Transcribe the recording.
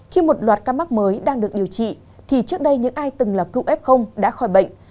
khi một loạt ca mắc mới đang được điều trị thì trước đây những ai từng là cựu f đã khỏi bệnh